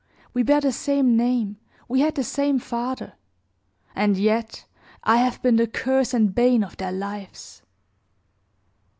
We bear the same name, we had the same father; and yet I have been the curse and bane of their lives."